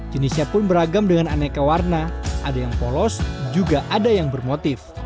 jenisnya pun beragam dengan aneka warna ada yang polos juga ada yang bermotif